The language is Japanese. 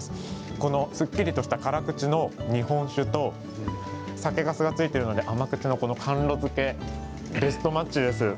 この、すっきりとした辛口の日本酒と酒かすがついているので甘口の、この甘露漬けベストマッチです。